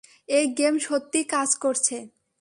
এই গেম সত্যিই কাজ করছে।